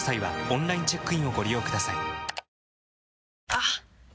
あっ！